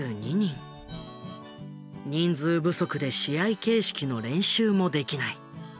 人数不足で試合形式の練習もできない。